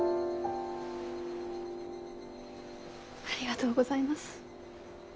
ありがとうございます。